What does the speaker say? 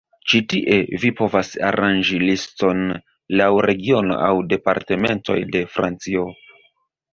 Ĉi tie, vi povas aranĝi liston laŭ regiono aŭ Departementoj de Francio.